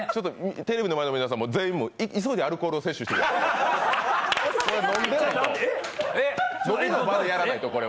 テレビの前の皆さんも全員、色出でアルコールを接種してください。